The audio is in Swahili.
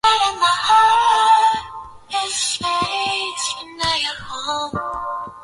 Tarakilishi hizi ni za muhimu